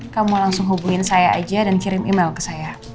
kamu langsung hubungin saya aja dan kirim email ke saya